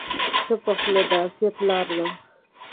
چپه خوله، د عافیت لاره ده.